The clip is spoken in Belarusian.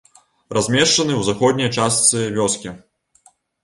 Размешчаны ў заходняй частцы вёскі.